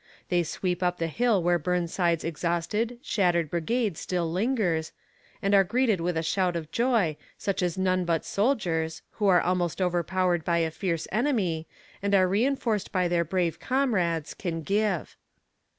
They sweep up the hill where Burnside's exhausted, shattered brigade still lingers, and are greeted with a shout of joy, such as none but soldiers, who are almost overpowered by a fierce enemy, and are reinforced by their brave comrades, can give.